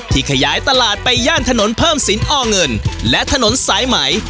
ขยายตลาดไปย่านถนนเพิ่มสินอ้อเงินและถนนสายไหม